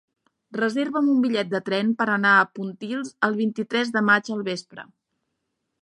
Reserva'm un bitllet de tren per anar a Pontils el vint-i-tres de maig al vespre.